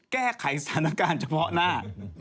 แก้ไขสถานการณ์เฉพาะหน้า